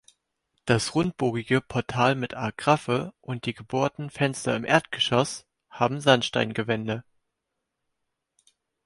Das rundbogige Portal mit Agraffe und die geohrten Fenster im Erdgeschoss haben Sandsteingewände.